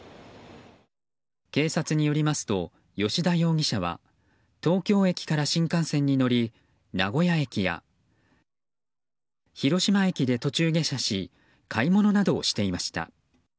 警察によりますと葭田容疑者は東京駅から新幹線に乗り名古屋駅や広島駅で途中下車し買い物などをしていました。